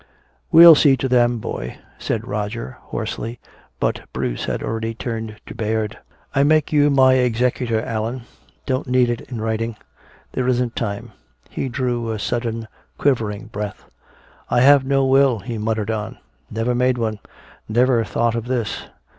"We'll see to them, boy," said Roger, hoarsely, but Bruce had already turned to Baird. "I make you my executor, Allan don't need it in writing there isn't time." He drew a sudden quivering breath. "I have no will," he muttered on. "Never made one never thought of this.